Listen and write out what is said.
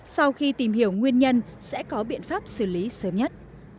sau khi tìm hiểu nguyên nhân sẽ có biện pháp xử lý sớm nhất